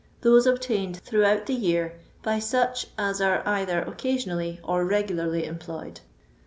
— Those obtained throughout the year by such as are either occasionally or regularly employed.